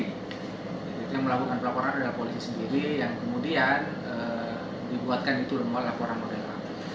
jadi yang melakukan pelaporan adalah polisi sendiri yang kemudian dibuatkan itu lalu laporan model a